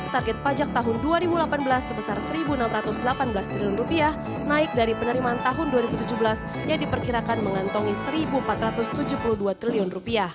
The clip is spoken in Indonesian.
target pajak tahun dua ribu delapan belas sebesar rp satu enam ratus delapan belas triliun naik dari penerimaan tahun dua ribu tujuh belas yang diperkirakan mengantongi rp satu empat ratus tujuh puluh dua triliun